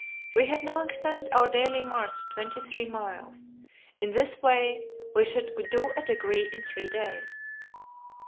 We had now extended our daily march to twenty three miles; in this way we should do a degree in three days.